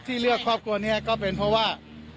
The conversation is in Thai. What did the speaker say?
ที่เลือกครอบครัวนี้ก็เป็นเพราะว่า